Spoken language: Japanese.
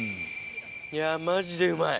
いやマジでうまい。